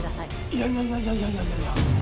いやいやいや。